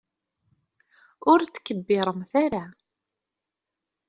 Ur tkebbiremt ara.